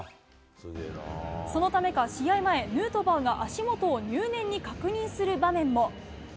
そのためか、試合前、ヌートバーが足元を入念に確認する場面も。